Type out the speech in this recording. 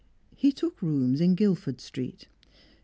He took rooms in Guildford Street.